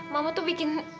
mama tuh bikin